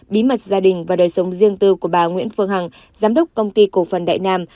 bí mật gia đình và đời sống riêng tư của bà nguyễn phương hằng giám đốc công ty cổ phần đại nam